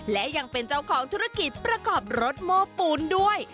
และยังเป็นเจ้าของธุรกิจประกอบรถโม้ปูนด้วย